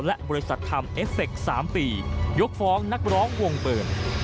และบริษัททำเอฟเฟค๓ปียกฟ้องนักร้องวงเบิร์น